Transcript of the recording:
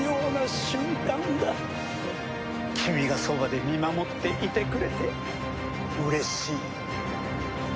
君がそばで見守っていてくれてうれしいよ。